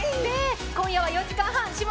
今夜は４時間半、しも